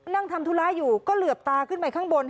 ทำธุระอยู่ก็เหลือบตาขึ้นไปข้างบน